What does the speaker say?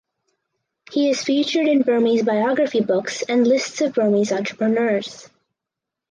He is featured in Burmese biography books and lists of Burmese entrepreneurs.